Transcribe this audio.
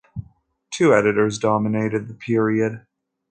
Two editors dominated the period.